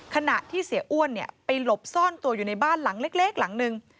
ขณะที่เสียอ้วนไปหลบซ่อนตัวอยู่ในบ้านหลังเล็กหลังนึง